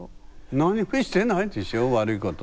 何もしてないでしょ悪いこと。